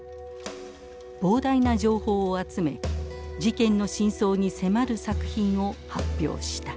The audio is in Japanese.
膨大な情報を集め事件の真相に迫る作品を発表した。